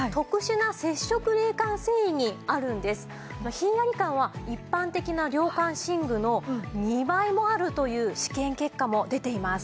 ひんやり感は一般的な涼感寝具の２倍もあるという試験結果も出ています。